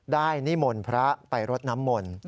ได้นิหมลพระไปรดน้ำหมล